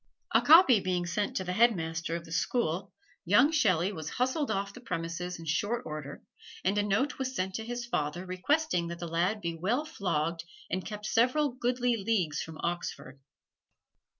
A copy being sent to the headmaster of the school, young Shelley was hustled off the premises in short order, and a note was sent to his father requesting that the lad be well flogged and kept several goodly leagues from Oxford.